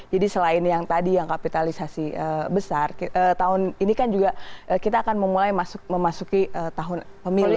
jadi selain yang tadi yang kapitalisasi besar tahun ini kan juga kita akan memulai memasuki tahun pemilu